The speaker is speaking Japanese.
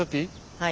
はい。